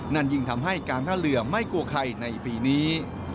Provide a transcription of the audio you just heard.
นั่นยิ่งทำให้การท่าเรือไม่กลัวใครในปีนี้